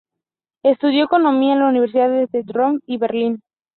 Estudió economía en las universidades de Rotterdam y Berlín.